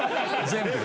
全部？